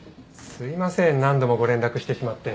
すいません何度もご連絡してしまって。